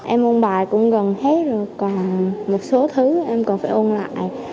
em ôn bài cũng gần hết rồi còn một số thứ em còn phải ôn lại